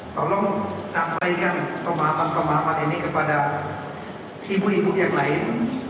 tolong sampaikan pemahaman pemahaman ini kepada ibu ibu yang lain